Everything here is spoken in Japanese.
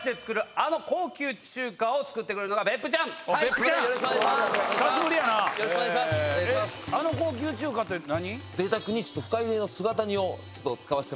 あの高級中華って何？